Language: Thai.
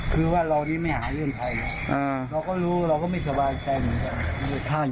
คือว่าเรานี้ไม่หาเรื่องใครเราก็รู้เราก็ไม่สบายใจเหมือนกัน